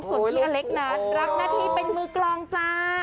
ส่วนพี่อเล็กนั้นรับหน้าที่เป็นมือกลองจ้า